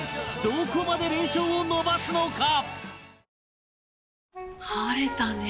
どこまで連勝を伸ばすのか？